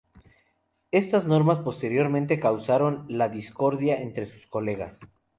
Estas normas posteriormente causaron la discordia entre sus colegas.